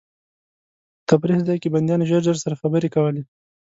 په تفریح ځای کې بندیان ژر ژر سره خبرې کولې.